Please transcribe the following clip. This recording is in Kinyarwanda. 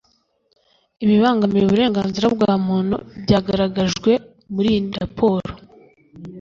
ibibangamiye uburenganzira bwa muntu byagaragajwe muri iyi raporo